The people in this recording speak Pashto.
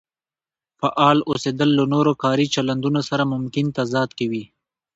فعال اوسېدل له نورو کاري چلندونو سره ممکن تضاد کې وي.